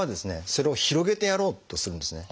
それを広げてやろうとするんですね。